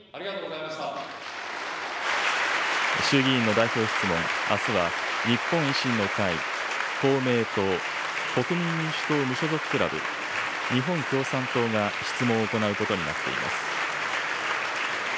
衆議院の代表質問、あすは日本維新の会、公明党、国民民主党・無所属クラブ、日本共産党が質問を行うことになっています。